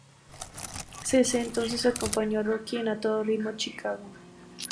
CeCe entonces acompaña a Rocky en "A Todo Ritmo, Chicago!